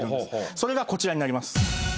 それがこちらになります。